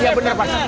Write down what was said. iya benar pak